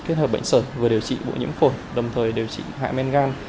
kết hợp bệnh sởi vừa điều trị bộ nhiễm phổi đồng thời điều trị hại men gan